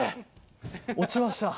落ちました。